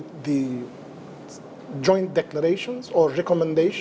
perjanjian atau rekomendasi